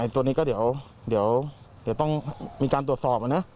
ตัวนี้ก็เดี๋ยวต้องมีการตรวจสอบนะ